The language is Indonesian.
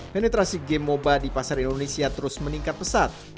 penetrasi game moba di pasar indonesia terus meningkat pesat